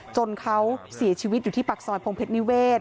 จนเขาเสียชีวิตอยู่ที่ปากซอยพงเพชรนิเวศ